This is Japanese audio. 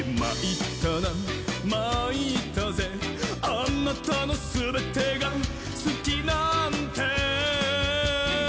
「あなたのすべてがすきなんて」